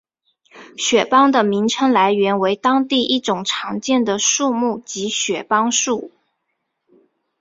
雪邦的名称来源为当地一种常见的树木即雪邦树。